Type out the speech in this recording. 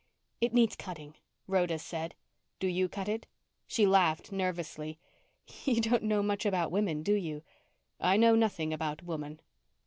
"It needs cutting," Rhoda said. "Do you cut it?" She laughed nervously. "You don't know much about women, do you." "I know nothing about woman."